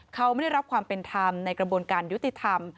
เขาไม่ได้รับความเป็นธรรมในกระบวนการยุติธรรม